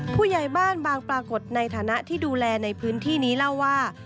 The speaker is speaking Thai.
ผู้ใหญ่บ้านบางปรากฏในฐานะที่ดูแลในพื้นที่นี้เล่าว่า